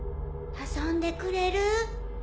遊んでくれる？